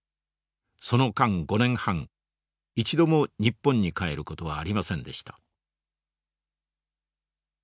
その間５年半一度も日本に帰る事はありませんでした。